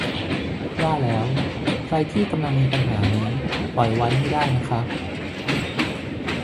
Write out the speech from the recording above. ว่าแล้วใครที่กำลังมีปัญหานี้ปล่อยไว้ไม่ได้นะคะ